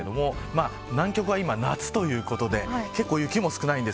南極は今、夏ということで結構、雪も少ないです。